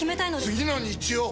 次の日曜！